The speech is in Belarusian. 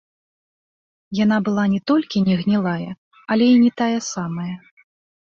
Яна была не толькі не гнілая, але і не тая самая.